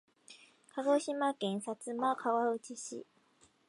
鹿児島県薩摩川内市